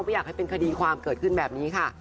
อยากให้เป็นคดีความเกิดขึ้นแบบนี้ค่ะ